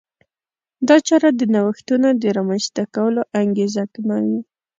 دا چاره د نوښتونو د رامنځته کولو انګېزه کموي.